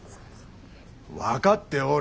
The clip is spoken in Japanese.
分かっておる！